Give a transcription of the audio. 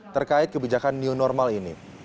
terkait kebijakan new normal ini